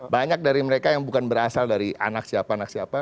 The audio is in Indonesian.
banyak dari mereka yang bukan berasal dari anak siapa anak siapa